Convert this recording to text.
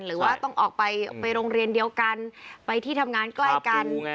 หรือว่าต้องออกไปโรงเรียนเดียวกันไปที่ทำงานใกล้กัน